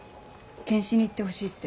検視に行ってほしいって。